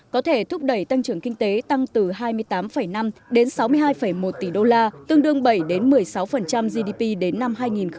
có thể thúc đẩy tăng trưởng kinh tế tăng từ hai mươi tám năm đến sáu mươi hai một tỷ đô la tương đương bảy một mươi sáu gdp đến năm hai nghìn hai mươi